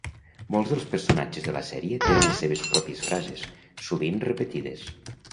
Molts dels personatges de la sèrie tenen les seves pròpies frases, sovint repetides.